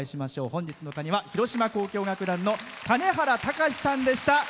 本日の鐘は、広島交響楽団の金原俊さんでした。